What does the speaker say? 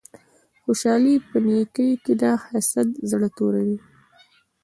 خوشحالی په نیکې کی ده حسد زړه توروی